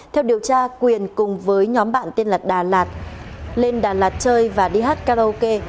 theo điều tra quyền cùng với nhóm bạn tên là đà lạt lên đà lạt chơi và đi hát karaoke